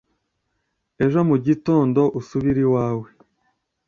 ejo mu gitondo, usubire iwawe